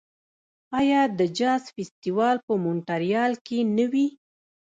آیا د جاز فستیوال په مونټریال کې نه وي؟